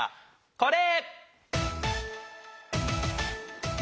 これ！